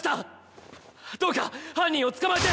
どうか犯人を捕まえて。